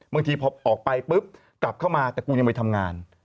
บางทีพอออกไปปุ๊บกลับเข้ามาแต่กูยังไปทำงาน